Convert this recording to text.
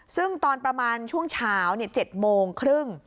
ซึ่งตอนประมาณช่วงเช้า๗โมงครึ่ง